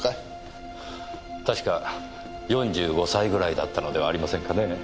確か４５歳ぐらいだったのではありませんかね。